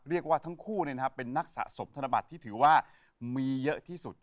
เรียกว่าทั้งคู่เป็นนักสะสมธนบัตรที่ถือว่ามีเยอะที่สุด